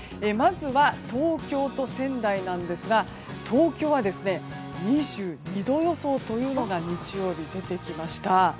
まずは、東京と仙台なんですが東京は、２２度予想と日曜日、出てきました。